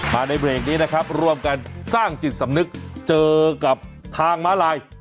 ในเบรกนี้นะครับร่วมกันสร้างจิตสำนึกเจอกับทางม้าลาย